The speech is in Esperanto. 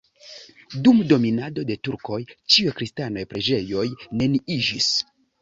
Dum dominado de turkoj ĉiuj kristanaj preĝejoj neniiĝis.